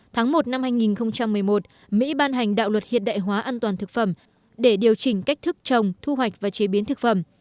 tháng một năm hai nghìn một mươi một mỹ ban hành đạo luật hiện đại hóa an toàn thực phẩm để điều chỉnh cách thức trồng thu hoạch và chế biến thực phẩm